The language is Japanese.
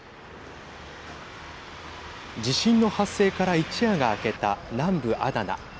地震の発生から一夜が明けた南部アダナ。